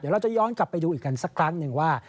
เราจะย้อนกลับไปดูอีกกันสักครั้งหนึ่งว่า